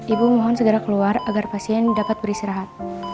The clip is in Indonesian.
ibu mohon segera keluar agar pasien dapat beristirahat